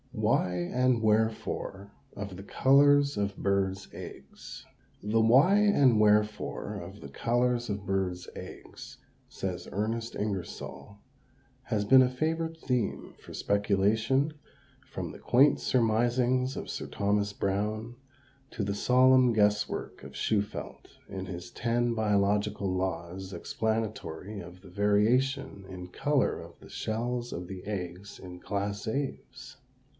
WHY AND WHEREFORE OF THE COLORS OF BIRDS' EGGS. The why and wherefore of the colors of birds' eggs, says Ernest Ingersoll, has been a favorite theme for speculation, from the quaint surmisings of Sir Thomas Browne to the solemn guess work of Shufeldt, in his ten "biological laws explanatory of the variation in color of the shells of the eggs in class Aves."